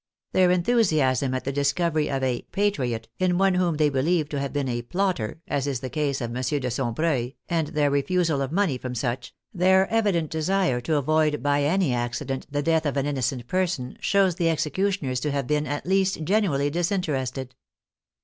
Their en thusiasm at the discovery of a " patriot " in one whom they believed to have been a " plotter," as is the case of M. de Sombreuil, and their refusal of money from such, their evident desire to avoid by any accident the death of an innocent person, show the executioners to have been, at least, genuinely disinterested.